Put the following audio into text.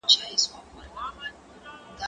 خو پر موږ به لكه كال وو